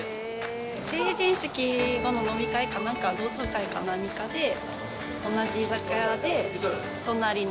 成人式後の飲み会かなんか同窓会か何かで、同じ居酒屋で隣の。